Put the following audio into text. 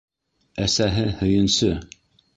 Әсәһе, һөйөнсө!